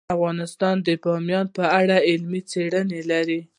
افغانستان د بامیان په اړه علمي څېړنې لري.